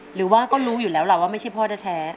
หรือว่าก็รู้อยู่แล้วล่ะว่าไม่ใช่พ่อแท้